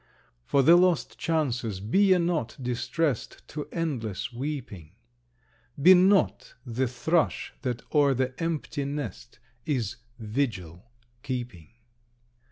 For the lost chances be ye not distressed To endless weeping; Be not the thrush that o'er the empty nest Is vigil keeping.